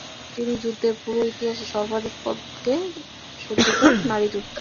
তিনি যুদ্ধের পুরো ইতিহাসে সর্বাধিক পদকে সজ্জিত নারী যোদ্ধা।